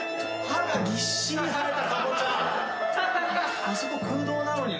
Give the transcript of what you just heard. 歯がぎっしり。